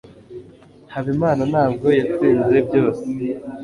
habimana ntabwo yatsinze byose